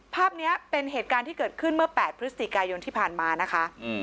ภาพนี้เป็นเหตุการณ์ที่เกิดขึ้นเมื่อ๘พฤศจิกายนที่ผ่านมานะคะ